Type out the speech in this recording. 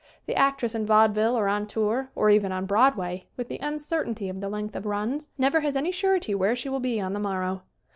The actress in vaudeville or on tour, or even on Broadway with the uncertainty of the length of runs, never has any surety where she will be on the morrow.